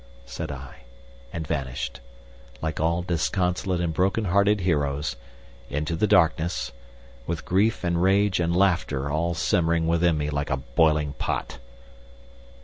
said I, and vanished, like all disconsolate and broken hearted heroes, into the darkness, with grief and rage and laughter all simmering within me like a boiling pot.